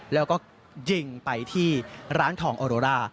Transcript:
แล้วก็ยิงไปที่ร้านทองออโรร่า